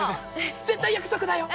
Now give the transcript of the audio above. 絶対約束だよ。